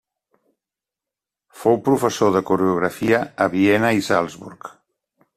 Fou professor de coreografia a Viena i Salzburg.